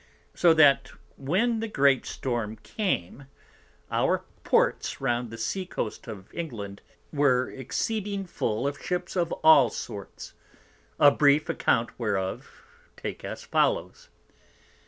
So that when the Great Storm came, our Ports round the Sea Coast of England were exceeding full of Ships of all sorts: a brief account whereof take as follows.